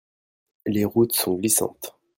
Les routes sont glissantes.